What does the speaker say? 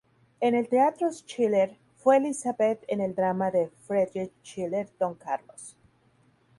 En el Teatro Schiller fue Elisabeth en el drama de Friedrich Schiller "Don Carlos".